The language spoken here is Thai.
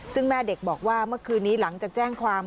ซึ่งแม่เด็กบอกว่าเมื่อคืนนี้หลังจากแจ้งความ